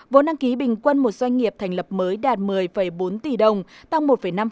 vốn đăng ký bình quân một doanh nghiệp thành lập mới đạt một mươi bốn tỷ đồng tăng một năm